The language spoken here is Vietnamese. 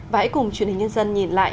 và hãy cùng truyền hình nhân dân nhìn lại